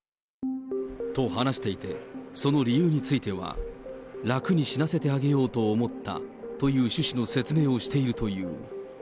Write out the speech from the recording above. と話していて、その理由については、楽に死なせてあげようと思ったという趣旨の説明をしているという。